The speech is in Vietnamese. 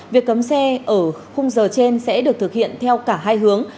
việc cấm xe ở khung giờ trên sẽ được thực hiện theo cả hai hướng